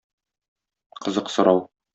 Кызык сорау.